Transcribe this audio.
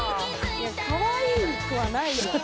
いやかわいくはないよ。